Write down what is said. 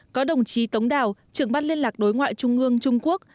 có đồng chí tống đào trưởng ban liên lạc đối ngoại trung ương trung quốc